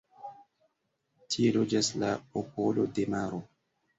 Tie loĝas la popolo de maro.